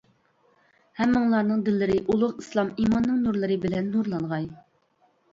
ھەممىڭلارنىڭ دىللىرى ئۇلۇغ ئىسلام-ئىماننىڭ نۇرلىرى بىلەن نۇرلانغاي.